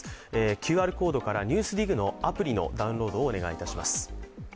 ＱＲコードから「ＮＥＷＳＤＩＧ」のアプリのダウンロードをお願いします。